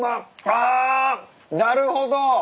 あなるほど！